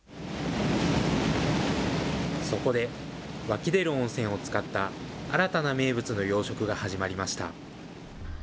そこで、湧き出る温泉を使った新たな名物の養殖が始まりました。